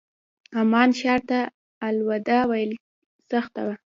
عمان ښار ته الوداع ویل سخته وه.